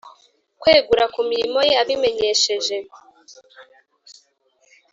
Kwegura ku mirimo ye abimenyesheje